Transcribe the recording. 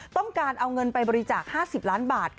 ต้องการเอาเงินไปบริจาค๕๐ล้านบาท